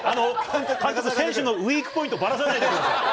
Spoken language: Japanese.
監督、選手のウィークポイントばらさないでください。